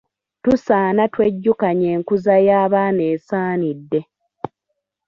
Tusaana twejjukanye enkuza y'abaana esaanidde.